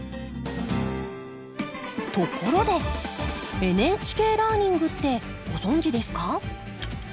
ところで「ＮＨＫラーニング」ってご存じですか？